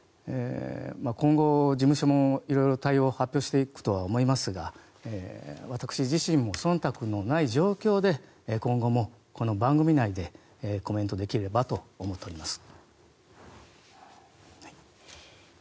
今後、事務所も色々対応を発表していくとは思いますが私自身もそんたくのない状況で今後もこの番組内でコメントできればと思っております。